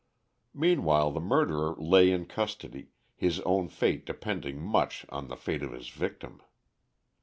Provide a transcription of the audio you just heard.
Meanwhile the murderer lay in custody, his own fate depending much on the fate of his victim.